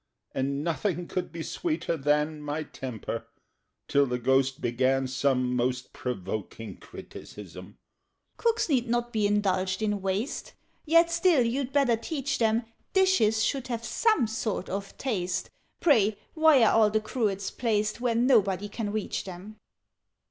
And nothing could be sweeter than My temper, till the Ghost began Some most provoking criticism. "Cooks need not be indulged in waste; Yet still you'd better teach them Dishes should have some sort of taste. Pray, why are all the cruets placed Where nobody can reach them?